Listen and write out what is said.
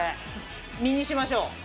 身にしましょう。